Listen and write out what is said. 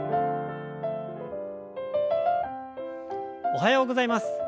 おはようございます。